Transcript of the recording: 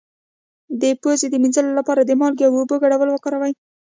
د پوزې د مینځلو لپاره د مالګې او اوبو ګډول وکاروئ